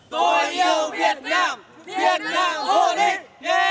tôi yêu việt nam việt nam vô địch